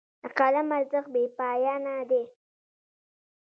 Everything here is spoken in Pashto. د قلم ارزښت بې پایانه دی.